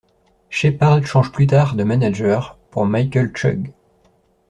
Sheppard change plus tard de manager pour Michael Chugg.